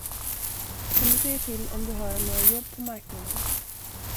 Kan du säga till om du hör om några jobb på marknaden?